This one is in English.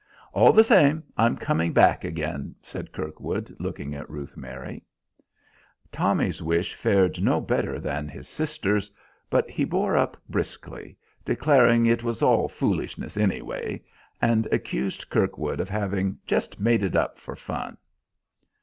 "All the same I'm coming back again," said Kirkwood, looking at Ruth Mary. Tommy's wish fared no better than his sister's, but he bore up briskly, declaring it was "all foolishness anyway," and accused Kirkwood of having "just made it up for fun."